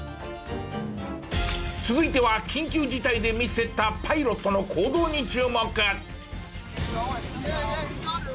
続いては緊急事態で見せたパイロットの行動に注目！